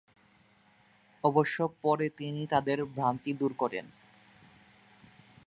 অবশ্য পরে, তিনি তাদের ভ্রান্তি দূর করেন।